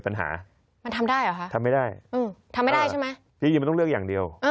เปลี่ยนค่านิยม